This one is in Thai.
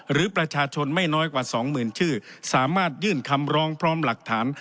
หรือประชาชนไม่น้อยกว่าสองหมื่นชื่อสามารถยื่นคำร้องพร้อมหลักฐาน